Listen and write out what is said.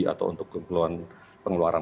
atau untuk keperluan pengeluaran